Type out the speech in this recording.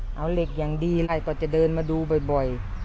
เอาเหล็กอย่างดีไล่ก็จะเดินมาดูบ่อย